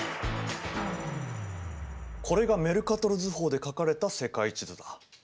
これがメルカトル図法で描かれた世界地図だ。